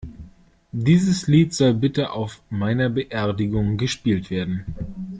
Dieses Lied soll bitte auf meiner Beerdigung gespielt werden.